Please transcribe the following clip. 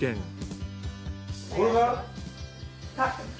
これが？